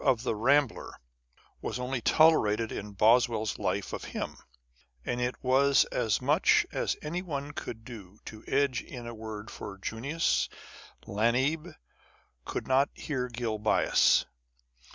of the Rambler was only tolerated in Boswcll's Life of him ; and it was as much as anyone could do to edge in a word for Junius. Lamb could not bear Gil Bias.